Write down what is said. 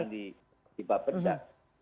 di bapak penda